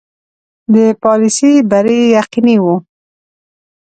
د پالیسي بری یقیني وو.